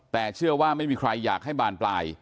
แต่เชื่อว่าไม่มีใครอยากให้บานปลาย